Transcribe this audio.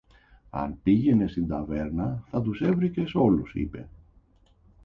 Αν πήγαινες στην ταβέρνα, θα τους έβρισκες όλους, είπε.